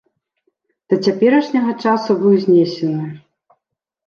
Да цяперашняга часу быў знесены.